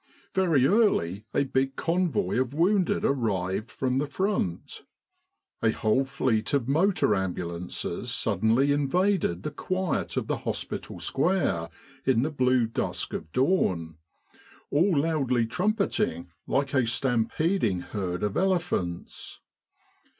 Very early a big convoy of wounded arrived from the Front. A whole fleet of motor ambulances suddenly invaded the quiet of the hospital square in the blue 235 With the R.A.M.C. in Egypt dusk of dawn, all loudly trumpeting like a stampeded herd of elephants.